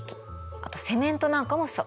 あとセメントなんかもそう。